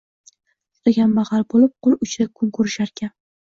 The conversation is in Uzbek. Juda kambagʻal boʻlib, qoʻl uchida kun koʻrisharkan